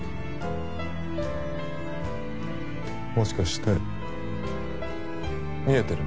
もしかして見えてるの？